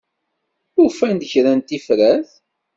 Ufan-d kra n tifrat?